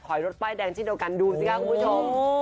ขอยรถป้ายแดงชิ้นเดียวกันดูสิครับคุณผู้ชม